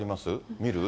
見る？